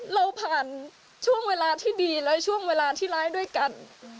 เราผ่านช่วงเวลาที่ดีและช่วงเวลาที่ร้ายด้วยกัน